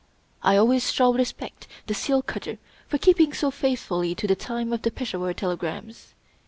I always shall respect the seal cutter for keeping so faithfully to the time of the Peshawar telegrams.